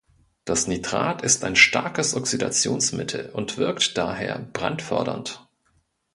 Das Nitrat ist ein starkes Oxidationsmittel und wirkt daher brandfördernd.